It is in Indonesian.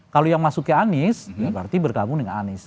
kalau yang masuk ke anies berarti bergabung dengan anies